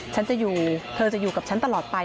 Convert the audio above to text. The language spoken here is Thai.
ฉันจะอยู่เธอจะอยู่กับฉันตลอดไป